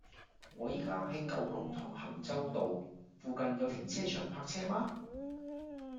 我依家喺九龍塘衡州道，附近有停車場泊車嗎